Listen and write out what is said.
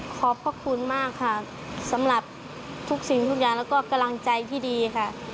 ขอบพระคุณมากค่ะสำหรับทุกสิ่งทุกอย่างแล้วก็กำลังใจที่ดีค่ะ